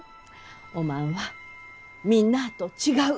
おまんはみんなあと違う。